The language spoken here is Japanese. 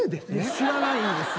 知らないですよ。